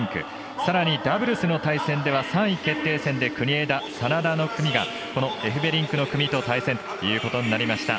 さらにダブルスの対戦では３位決定戦で、国枝、眞田の組がこのエフベリンクの組と対戦ということになりました。